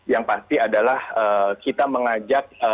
yang pasti adalah kita mengajak